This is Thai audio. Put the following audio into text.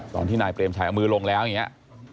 ตอนที่นายเปรมชัยเอามือลงแล้วอย่างนี้